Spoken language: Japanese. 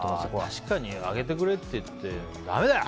確かに上げてくれって言ってだめだよ！